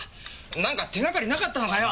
なんか手掛かりなかったのかよ！？